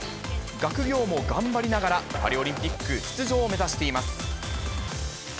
学業も頑張りながら、パリオリンピック出場を目指しています。